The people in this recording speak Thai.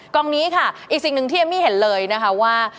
กองนี้ค่ะอีกสิ่งหนึ่งที่เอมมี่เห็นเลยนะคะว่า